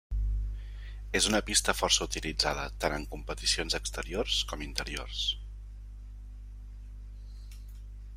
És una pista força utilitzada tant en competicions exteriors com interiors.